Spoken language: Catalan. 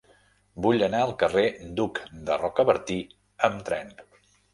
Vull anar al carrer d'Hug de Rocabertí amb tren.